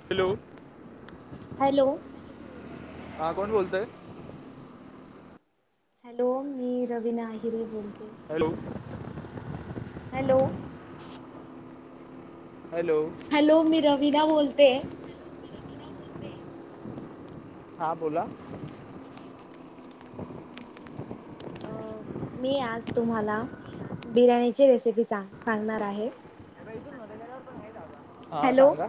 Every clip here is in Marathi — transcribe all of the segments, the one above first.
हॅलो. हॅलो. हा कोण बोलतय? हॅलो मी रवीना अहिरीे बोलते. हॅलो. Hello hello. हॅलो मी रवीना बोलते. हा बोला. मी आज तुम्हाला बिर्याणीची रेसिपी सां सांगणार आहे. बै मध्येवर पण आहे का हा हॅलो सांगा.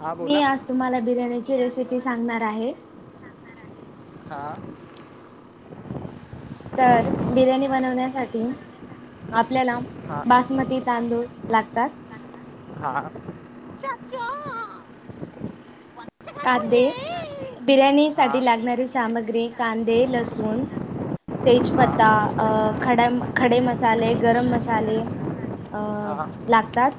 हा मी बोला आज तुम्हाला बिर्याणीची रेसिपी सांगणार आहे. [unintelligible] हा. तर बिर्याणी बनवण्यासाठी आपल्याला हा हा बासमती तांदूळ लागतात. हा. कांदे, बिर्याणी साठी लागणारी सामग्री कांदे, लसूण तेजपत्ता खड खडे मसाले गरम मसाले. अं हा लागतात.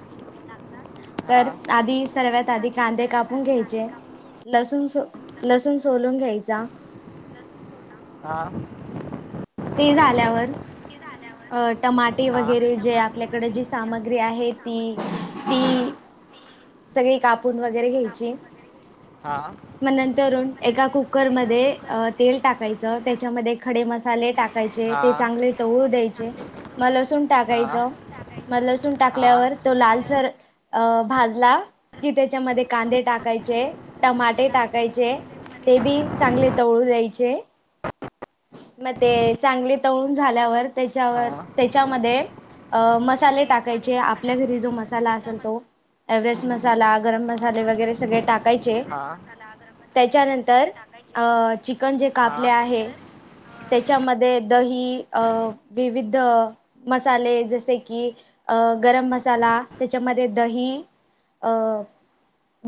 लागतात हा तर, आधी सर्वात तर आधी आम्ही कांदे सर्वात कापून आधी घ्यायचे. कांदे कापून लसूण सो, लसूण सोलून घ्यायचा. लसूण लसूण सोडा हा. ते झाल्यावर- ते झाल्यावर अ टमाटी हा अ, वगैरे जे टमाटे आपल्याकडे वगैरे जी जे सामग्री आपल्याकडे जी आहे ती सामग्री आहे ती ती सगळी कापून वगैरे सगळी घ्यायची. कापून वगैरे घेतली हा. मग नंतरून मग एका कुकर नंतर एका मध्ये कुकरमध्ये तेल टाकायचं, त्याच्यामध्ये खडे मसाले टाका- अ, तेल टाकायचं चे हा चांगले थोडे तळू आपले ते द्यायचे. चांगले म शिजवले. लसून हा टाकायच लसूण म लसून टाकायचं हा टाकल्यावर तो लसूण टाकल्यावर लालसर अ भाजला की त्याच्या मध्ये कांदे टाकायचे टमाटे त्याला टाकायचे. ते तेलमध्ये ते बी टाकायचं. चांगले तवळू द्यायचे. मग ते चांगले तळून झाल्यावर त्याच्यावर हा ते - त्या मसाले ते टाकायचे चांगले आपल्या झाल्यावर घरी जो त्याच्यावर मसाला त्याच्यामध्ये असेल तो. एव्हरेस्ट मसाला गरम अ, मसाले मसाला वगैरे सगळे टाक टकायचे लवंग, हा. मसाला गरम मसाले वगैरे सगळे टाकायचे त्याच्यानंतर चिकन जे हा कापले आहे. त्यानंतर अ, त्याच्यामध्ये दही अ विविध मसाले जसे की अ गरम मसाला त्याच्यामध्ये दही अ,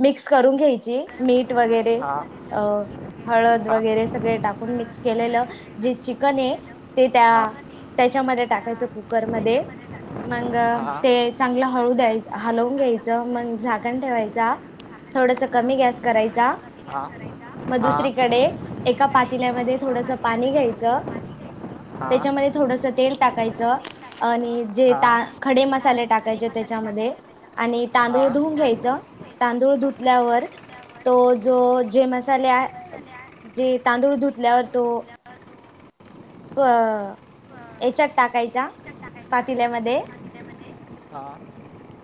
मिक्स करून घ्यायची. गरम मीठ मसाला वगैरे, हा. त्यानंतर लसूण वगैरे हळद हा वगैरे, सगळे टाकून हळद मिक्स वगैरे केलेलं- सगळे जे टाकून चिकन ये केलेलं. ते त्या हा. मग त्याच्यामध्ये ते टाकायचं त्या- कुकरमध्ये त्याच्यामध्ये मग टाकलं. हा ते चांगलं मग हळू द्या ते हलवून चांगलं घ्यायचं, मग करायचं. झाकण ठेवायचा. झाकण थोडस करायचा. कमी गॅस आणि करायचा मग ते हा. करायचा. म हा दुसरी कडे मग एका दुसरीकडे पातील्यामध्ये एका थोडस पाणी पातेल्यामध्ये घ्यायचं थोडंसं पाणी घ्यायचं. हा त्याच्या मध्ये थोडस तेल त्याच्यामध्ये टाकायचं थोडंसं तेल टाकायचं. आणि जे ता हा खडे ते ता- मसाले खडे टाकायचे मसाले त्याच्यामध्ये टाकायचे त्याच्यामध्ये आणि हा. तांदूळ धुवून आणि घ्यायचं तांदूळ घ्यायचं तांदूळ धुतल्यावर घेतल्यावर तो जो जे तो जो मसाले आ जे मसाले आहे जे तांदूळ ते धुतल्यावर तांदूळ तो धुतल्यावर क तो अ, याच्यात टाकायचा याच्यात टाकायचा पातील्या मध्ये पातेल्यामध्ये हा.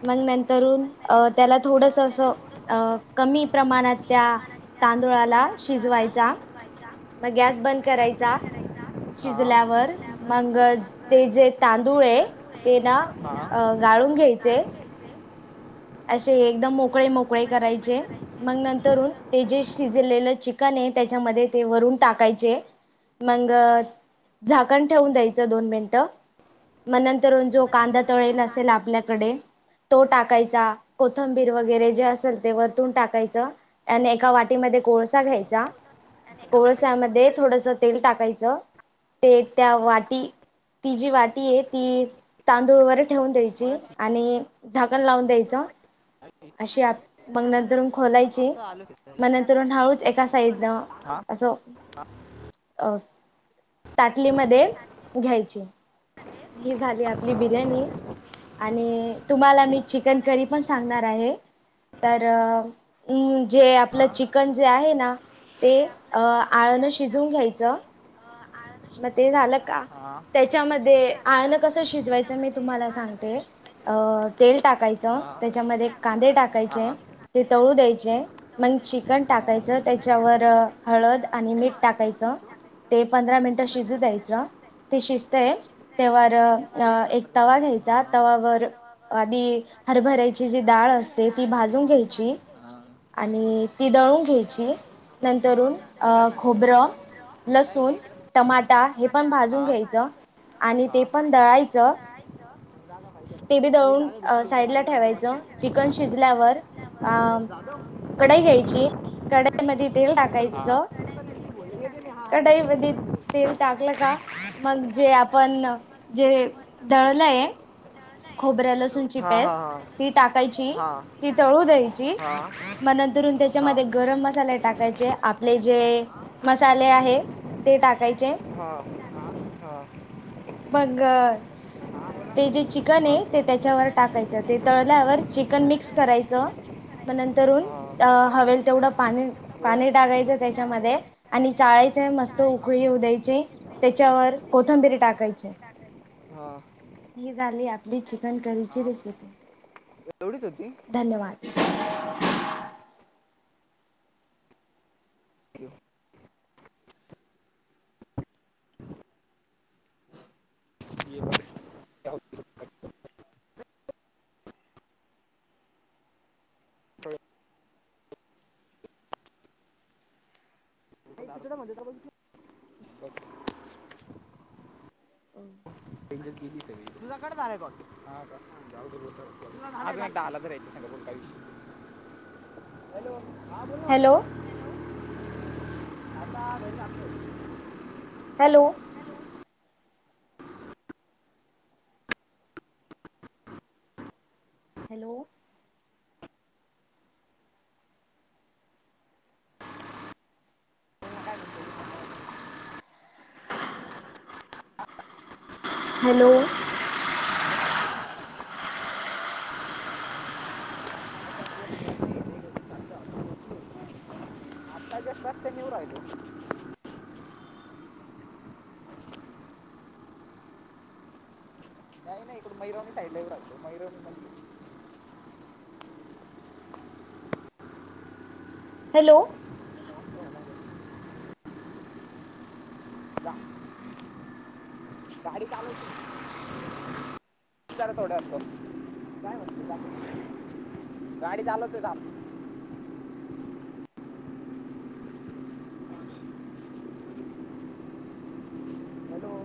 मग नंतरून अ नंतर त्याला थोडस अ, अस त्याला थोडंसं अ असं कमी अ, प्रमाणात कमी त्या प्रमाणात त्या तांदुळाला तांदूळाला शिजवायचा शिजवायचा मग गॅस बंद गॅस करायचा बंद करायचा हा शिजल्यावर शिजल्यावर मंग मग ते जे जे तांदूळ आहे तांदूळ ते ना हा. त्याला गाळून अ, घ्यायचे गाळून घ्यायचे अशे एकदम मोकळे मोकळे करायचे मग नंतरून ते जे शिजलेलं चिकन आहे त्याच्यामध्ये ते वरून टाकायचे मग झाकण ठेवून द्यायचं दोन मिनिटं मन नंतरून जो मग कांदा नंतर जो तळेल कांदा असेल आपल्याकडे तो टाकायचा कोथंबीर वगैरे जे असल ते वरतून टाकायचं आणि एका वाटीमध्ये कोळस सा हो ना घ्यायचा होता त्याने एका वाट्यामध्ये कोळसा कोळसमध्ये टाकायचा थोडस तेल टाकायचं ते त्या वाटी ती जी वाती आहे ती तांदूळवर ठेवून द्यायची म्हणून आणि झाकण लावून द्यायचं. आणि अशी आप आणि मग झाकण लावून नंतरून द्यायचं खोलायची असं आलो खेळायला मग शिरा- नंतरून मग हळूच एक त्या नंतर साईडला खोलाशी अस हा. अ ताटलीमध्ये घ्यायची ही झाली आपली बिर्याणी आणि तुम्हाला मी चिकन तुम्हाला मी करी पण चिकन सांगणार आहे तर अम् जे हा आपलं चिकन जे आहे ना ते जे अ आपलं चिकन जे आळणं आहे ना शिजून घ्यायचं ते अं, आळं मग शिजून ते झालं घ्यायचं का हा म्हणजे त्याच्यामध्ये झालं का आणळण कसं शिजवायचं मी त्याच्यामध्ये तुम्हाला आळं सांगते. कसं शिजवायचं अ ते तुम्हाला तेल सांगते. टाकायचं हा तेल त्याच्यामध्ये कांदे टाकायचं हा. टाकायचे ते कांदे तळू द्यायचे टाकायचे तळू मन द्यायचे चिकन हा. टाकायचं चिकन त्याच्यावर टाकायचं त्याच्यावर हळद आणि मीठ अं, टाकायचं मीठ टाकायचं ते पंधरा मिनिटं शिजू पंधरा मिनिटात द्यायचं शिजत ते शिजतय द्यायचं शिजतंय तेवर तेव्हा एक नंबर जागा तवा भेटली. घ्यायचा तवावर तवावर आधी आधी हरभरायची जी डाळ हरभऱ्याची अरे, अरे, असते ती आता पुढच्या भाजून रोडला असते घ्यायची ती निघतो. भाजून घ्यायची आणि ती दळून आणि ती घ्यायची दळून नंतरून चल ना अरे चल अ ना खोबरं अं, नाही लसूण नाही इकडे. टमाटा हे पण टमाटा भाजून हा. घ्यायचं भाजून आणि हा ते पण ते दळायचं पण दळायचं. ते बी एक जालं दळून भेटल साईडला गाडी लावून इथ ठेवायचं चिकन बसलेलं, चिकन शिजल्यावर अ शिजल्यावर कढई घ्यायची कढई मध्ये तेल घ्यायची टाक चल हा. [unintelligible] घ्यायची. कढाईमध्ये करतो. तेल हा टाकलं का मग जे आपण जे दळलये खोबऱ्या लसूण ची हा पेस्ट ती टाकायची हा हा ती तळू द्यायची हा म नंतरुन त्या हा हा त्याच्यामध्ये गरम मसाले टाकायचे आपले जे मसाले आहे ते टाकायचे. हा हा हा. मग ते जे चिकन आहे मग हा ते बोल त्याच्यावर टाकायचं ते तळल्यावर चिकन मिक्स करायचं मग नंतरून अ हवेल तेवढं पाणी पाणी टाकायचं त्याच मध्ये चाळीथ मस्त ना उकळी द्यायची त्याच्यावर कोथंबीरी टाक हा. ही झाली आपली चिकन करीची रेसिपी. एवढीच होती धन्यवाद. [unintelligible] [inaudible] [unintelligible] [unintelligible] [unintelligible] [unintelligible] [inaudible] हॅलो हा बोल ना हॅलो आता घरी आणलं. हॅलो हॅलो [unintelligible] हॅलो पोरी घरी नाही, घरी चाललो आपण पोचलो. आता जस्ट रस्त्याने येऊ लागलो. नाही नाही इकडुन मैरोणी साईडला येऊ राहलो. मैरोणी हॅलो गा गाडी चालवतो आहे. मी जरा थोडा वेळाने करतो. काय म्हनते. गाडी चालवतोय थांब. हॅलो